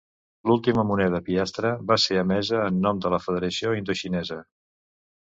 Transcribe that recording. L'última moneda piastra va ser emesa en nom de la "Federació indoxinesa".